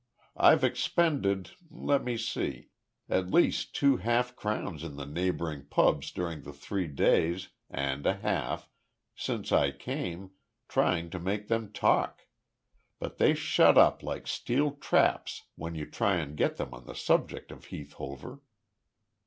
I've expended let me see at least two half crowns in the neighbouring pubs during the three days and a half since I came, trying to make them talk. But they shut up like steel traps when you try and get them on the subject of Heath Hover."